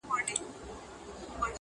غل پسي اخله ، نو نه تر کوره.